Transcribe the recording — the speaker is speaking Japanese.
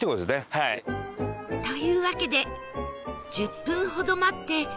というわけで１０分ほど待って店内へ